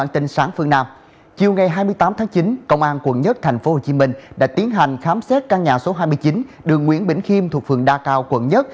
trở nặng hơn